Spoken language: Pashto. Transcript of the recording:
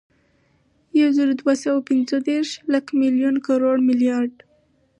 یوزرودوهسوه اوپنځهدېرس، لک، ملیون، کروړ، ملیارد